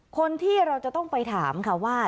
คนที่เราจะต้องไปถามค่ะว่า